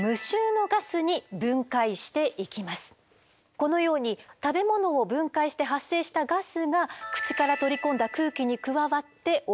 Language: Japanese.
このように食べ物を分解して発生したガスが口から取り込んだ空気に加わってオナラになります。